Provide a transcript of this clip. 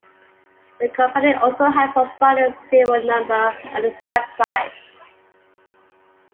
The company also had provided a serial number on its website.